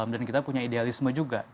dan kita punya idealisme juga